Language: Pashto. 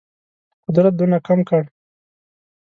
قدرت دونه کم کړ.